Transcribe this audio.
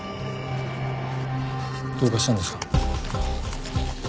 どうかしたんですか？